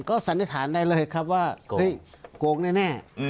ก็สันนิษฐานได้เลยครับว่าเฮ้ยโกงแน่